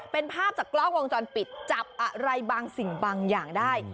เป็นภาพจากกล้องวงจรปิดจับอะไรบางสิ่งบางอย่างได้